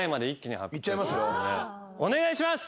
お願いします！